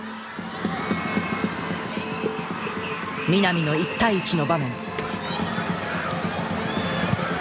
南の１対１の場面。